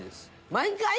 毎回？